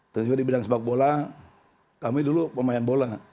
terus juga di bidang sepak bola kami dulu pemain bola